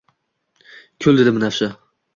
Kul dedi binafsha